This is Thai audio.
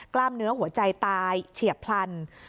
กล้ามเนื้อหัวใจตายเฉียบพลัน